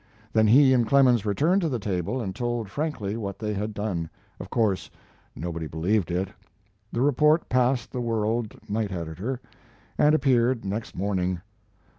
Then he and Clemens returned to the table and told frankly what they had done. Of course, nobody believed it. The report passed the World night editor, and appeared, next morning.